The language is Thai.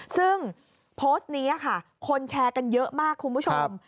ซึ่งโพสต์นี้ค่ะคนแชร์กันเยอะมากคุณผู้ชม